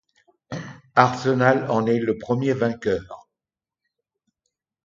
Arsenal en est le premier vainqueur.